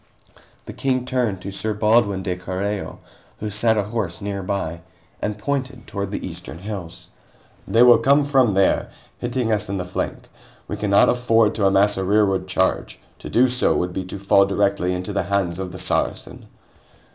The King turned to Sir Baldwin de Carreo, who sat ahorse nearby, and pointed toward the eastern hills. "They will come from there, hitting us in the flank; we cannot afford to amass a rearward charge. To do so would be to fall directly into the hands of the Saracen."